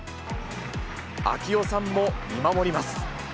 啓代さんも見守ります。